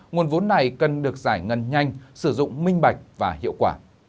nguồn vốn này cần được giải ngân nhanh sử dụng minh bạch và hiệu quả